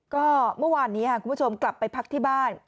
ก็เมื่อวานนี้คุณผู้ชมกลับไปพักที่บ้าน